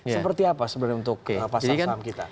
seperti apa sebenarnya untuk pasar saham kita